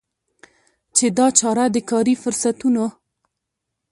چي دا چاره د کاري فرصتونو